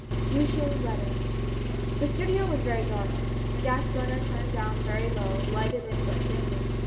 luciane's letter. T he studio was very dark — a gas burner turned down very low, lighted it but dimly.